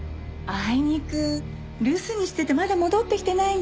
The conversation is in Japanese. あいにく留守にしててまだ戻ってきてないんですよ。